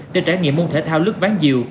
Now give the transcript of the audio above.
để trải nghiệm môn thể thao lướt ván diều